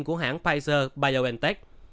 của hãng pfizer biontech